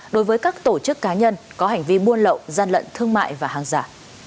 đối với các tổ chức cá nhân có hành vi buôn lậu gian lận thương mại và hàng giả